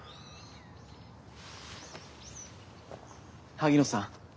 萩野さん。